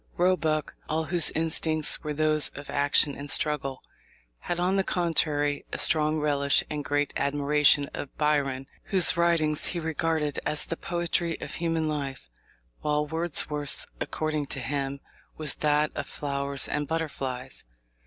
Roebuck, all whose instincts were those of action and struggle, had, on the contrary, a strong relish and great admiration of Byron, whose writings he regarded as the poetry of human life, while Wordsworth's, according to him, was that of flowers and butterflies.